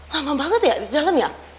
lama banget ya di dalam ya